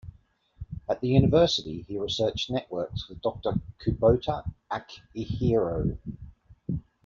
At the university he researched networks with Doctor Kubota Akihiro.